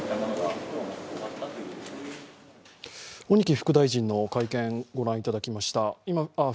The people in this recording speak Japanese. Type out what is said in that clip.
鬼木副大臣の会見を御覧いただきました。